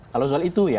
kalau soal itu ya